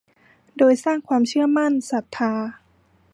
โดยสร้างความเชื่อมั่น ศรัทธา